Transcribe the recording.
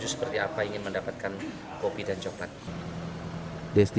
seperti apa ingin mendapatkan kopi dan coklat